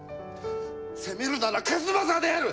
責めるなら数正である！